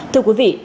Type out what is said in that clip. thưa quý vị